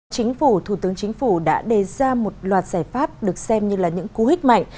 chính phủ thủ tướng chính phủ đã đề ra một loạt giải pháp được xem như là những cú hích mạnh